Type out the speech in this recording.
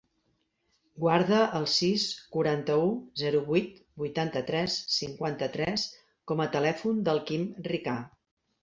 Guarda el sis, quaranta-u, zero, vuit, vuitanta-tres, cinquanta-tres com a telèfon del Quim Rica.